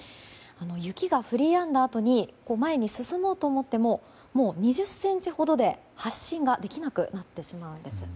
雪が降りやんだあとに前に進もうと思ってももう２０ｃｍほどで発進ができなくなってしまうんです。